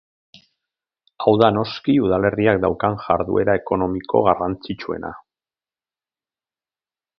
Hau da noski udalerriak daukan jarduera ekonomiko garrantzitsuena.